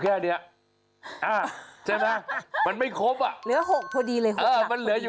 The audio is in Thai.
ไม่ใช่เบอร์โทนรงพ่อด้วยสิ